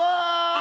あ！